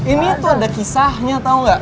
ini tuh ada kisahnya tau nggak